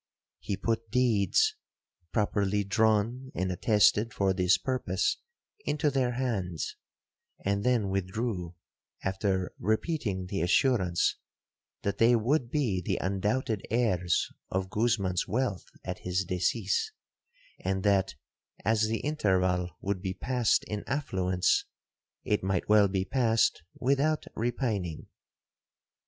He put deeds, properly drawn and attested for this purpose, into their hands, and then withdrew, after repeating the assurance, that they would be the undoubted heirs of Guzman's wealth at his decease, and that, as the interval would be passed in affluence, it might well be passed without repining.